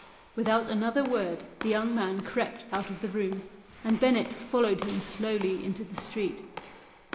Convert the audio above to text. I Without another word the young man crept out of the room, and Bennett followed him slowly into the street.